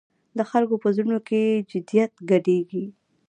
د خلکو په زړونو کې جدیت ګډېږي.